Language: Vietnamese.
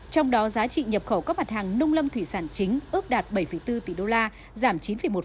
trong đó giá trị nhập khẩu các mặt hàng nông lâm thủy sản chính ước đạt bảy bốn tỷ đô la giảm chín một